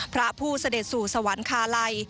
พระผู้เสด็จสู่สวรรคาลัย